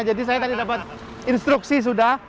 jadi saya tadi dapat instruksi sudah